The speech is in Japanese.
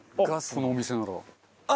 このお店なら。